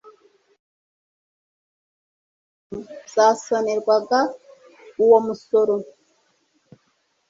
Inzego zimwe z'abantu zasonerwaga uwo umusoro.